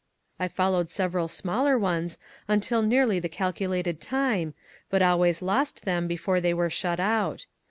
I followed several smaller ones until nearly the calculated time, but always lost them before they were shut out.